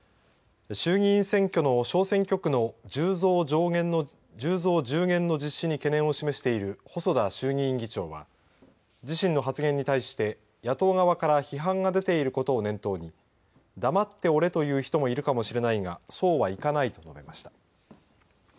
衆議院選挙の小選挙区の１０増１０減の実施に懸念を示している細田衆議院議長は自身の発言に対して野党側から批判が出ていることを念頭に黙っておれと言う人もいるかもしれないがそうはいかないと述べました。